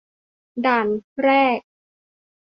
ด่านแรก